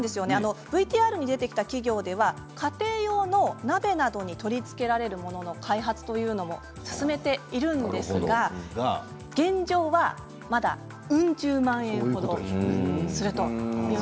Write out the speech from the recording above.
ＶＴＲに出てきた企業では家庭用の鍋などに取り付けられるものの開発も進めているんですが現状はまだ、うん十万円程です。